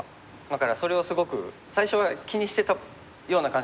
だからそれをすごく最初は気にしてたような感じだったんですよ。